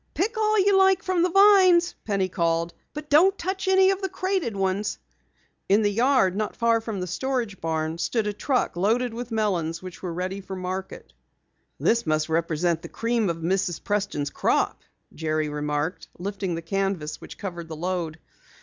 "Pick all you like from the vines," Penny called, "but don't touch any of the crated ones." In the yard not far from the storage barn stood a truck loaded with melons which were ready for the market. "This must represent the cream of Mrs. Preston's crop," Jerry remarked, lifting the canvas which covered the load.